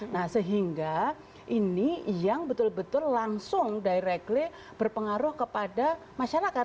nah sehingga ini yang betul betul langsung directly berpengaruh kepada masyarakat